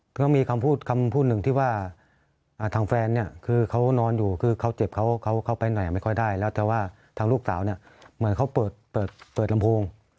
ก็มีคำพูดคำพูดหนึ่งที่ว่าทางแฟนเนี่ยคือเขานอนอยู่คือเขาเจ็บเขาไปไหนไม่ค่อยได้แล้วแต่ว่าทางลูกสาวเนี่ยเหมือนเขาเปิดลำโพง